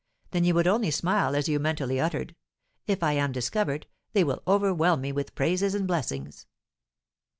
then you would only smile as you mentally uttered, 'If I am discovered, they will overwhelm me with praises and blessings!'